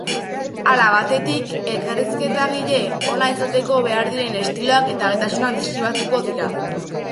Hala, batetik elkarrizketagile ona izateko behar diren estiloak eta gaitasunak deskribatuko dira.